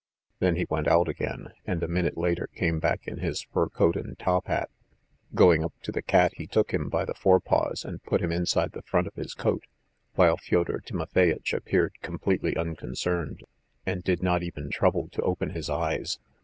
Then he went out again, and a minute later, came back in his fur coat and top hat. Going up to the cat he took him by the fore paws and put him inside the front of his coat, while Fyodor Timofeyitch appeared completely unconcerned, and did not even trouble to open his eyes.